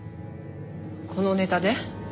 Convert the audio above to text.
このネタで？